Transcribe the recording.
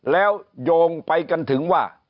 แล้วโยงไปกันถึงว่า